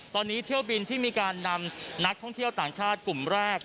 ตอนนี้เที่ยวบินที่มีการนำนักท่องเที่ยวต่างชาติกลุ่มแรก